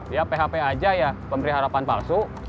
ya php aja ya pemberi harapan palsu